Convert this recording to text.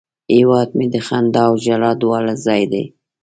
هیواد مې د خندا او ژړا دواړه ځای دی